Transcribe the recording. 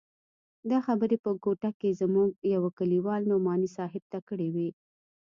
دا خبرې په کوټه کښې زموږ يوه کليوال نعماني صاحب ته کړې وې.